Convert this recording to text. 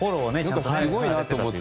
すごいなと思って。